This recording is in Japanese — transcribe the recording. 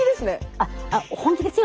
あっ本気ですよ